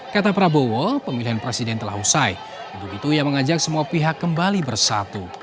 kata prabowo pemilihan presiden telah usai untuk itu ia mengajak semua pihak kembali bersatu